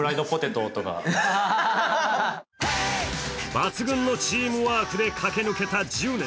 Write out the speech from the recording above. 抜群のチームワークで駆け抜けた１０年。